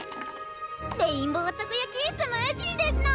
レインボーたこ焼きスムージーですの！